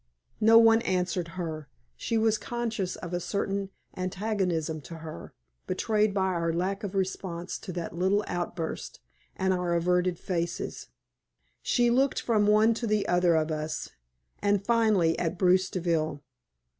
No one answered her. She was conscious of a certain antagonism to her, betrayed by our lack of response to that little outburst and our averted faces. She looked from one to the other of us, and finally at Bruce Deville.